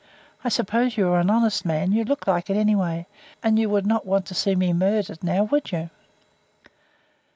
I suppose you are an honest man; you look like it anyway, and you would not want to see me murdered, now, would you?"